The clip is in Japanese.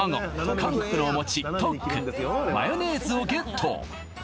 韓国のお餅トックマヨネーズをゲット